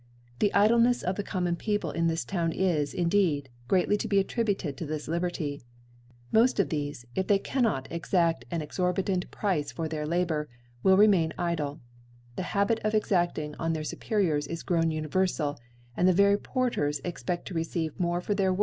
The Idleneftof the common People in this Town is, indeed, greatly to be attributed to this Liberty ; moft of thefe, if they cannot exa6t aa exorbitant Price for their Labour, will remain ( 94) remain idle. The (labit of exacting oti their Supetiors is grown univerfal, and ihe very Porters exped to receive mwe for their.